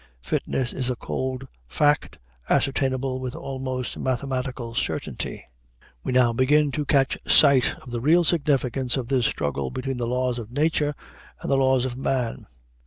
Fitness is a cold fact ascertainable with almost mathematical certainty. We now begin to catch sight of the real significance of this struggle between the laws of nature and the laws of man.